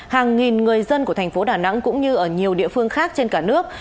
hàng nghìn người dân của thành phố đà nẵng cũng như ở nhiều địa phương khác trên cả nước